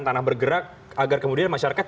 tanah bergerak agar kemudian masyarakat